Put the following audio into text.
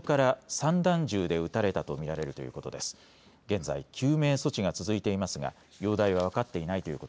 現在、救命措置が続いていますが容体は分かっていないという